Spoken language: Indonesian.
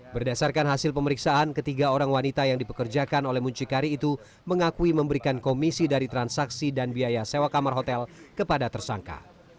berdasarkan hasil pemeriksaan ketiga orang wanita yang dipekerjakan oleh muncikari itu mengakui memberikan komisi dari transaksi dan biaya sewa kamar hotel kepada tersangka